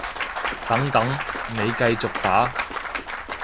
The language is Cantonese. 等等，你繼續打